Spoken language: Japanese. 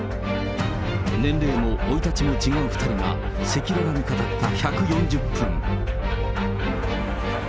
年齢も生い立ちも違う２人が赤裸々に語った１４０分。